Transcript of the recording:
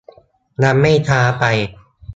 ยังไม่ช้าไป